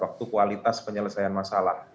kualitas penyelesaian masalah